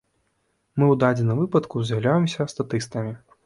Мы ў дадзеным выпадку з'яўляемся статыстамі.